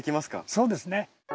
そうですね。